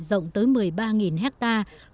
rộng tới một mươi ba hectare